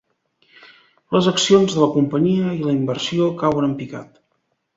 Les accions de la companyia i la inversió cauen en picat.